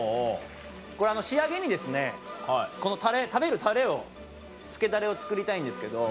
これ仕上げに食べるタレをつけダレを作りたいんですけど。